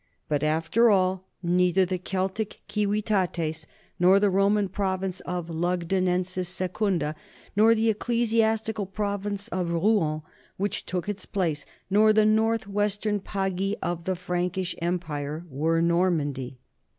But after all, neither the Celtic civitates nor the Roman province of Lugdunensis Secunda nor the ecclesiastical province of Rouen which took its place nor the northwestern pagi of the Prankish empire were Normandy.